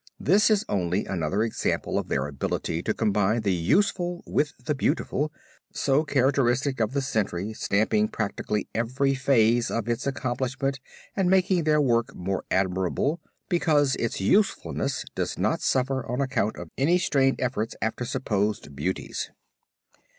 This is only another example of their ability to combine the useful with the beautiful so characteristic of the century, stamping practically every phase of its accomplishment and making their work more admirable because its usefulness does not suffer on account of any strained efforts after supposed beauties.